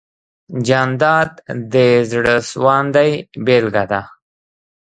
جانداد د زړه سواندۍ بېلګه ده.